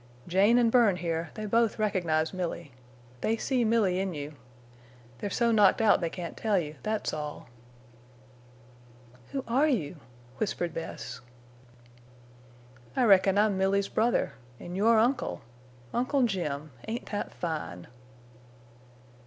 "Jane an' Bern here—they both recognize Milly. They see Milly in you. They're so knocked out they can't tell you, that's all." "Who are you?" whispered Bess. "I reckon I'm Milly's brother an' your uncle!... Uncle Jim! Ain't that fine?"